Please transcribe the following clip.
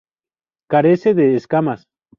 Carece de escamas.